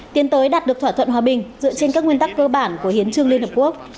tiến tới đạt được thỏa thuận hòa bình dựa trên các nguyên tắc cơ bản của hiến trương liên hợp quốc